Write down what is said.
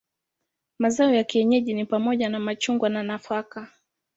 Mazao ya kienyeji ni pamoja na machungwa na nafaka.